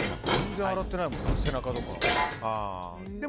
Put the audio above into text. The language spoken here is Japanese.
全然、洗ってないもんな背中とか。